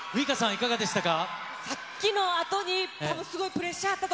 いかがでしたか。